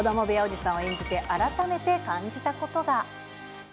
子ども部屋おじさんを演じて改めて感じたことが。